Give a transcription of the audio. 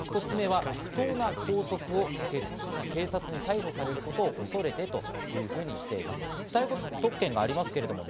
まず一つ目、不当な拘束を受ける、警察に逮捕されることを恐れてというふうに言ってます。